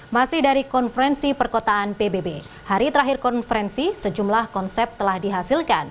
masih dari konferensi perkotaan pbb hari terakhir konferensi sejumlah konsep telah dihasilkan